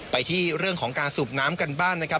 ไปที่เรื่องของการสูบน้ำกันบ้างนะครับ